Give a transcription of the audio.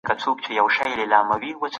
زموږ د ژوند سطحه به انشاالله لوړه سي.